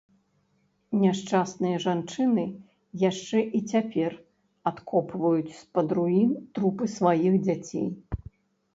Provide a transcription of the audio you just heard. Няшчасныя жанчыны яшчэ і цяпер адкопваюць з-пад руін трупы сваіх дзяцей.